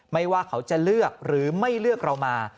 ไม่ว่าเขาจะเลือกหรือไม่เลือกเรามา